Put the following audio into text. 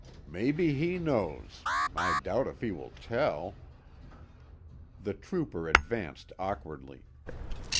"Maybe he knows. I doubt if he will tell!" The trooper advanced awkwardly.